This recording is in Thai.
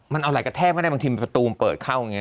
มันเอาอะไรกระแทกก็ได้บางทีประตูมันเปิดเข้าอย่างนี้